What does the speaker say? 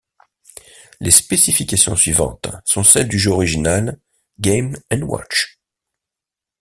Les spécifications suivantes sont celle du jeu orginial Game & Watch.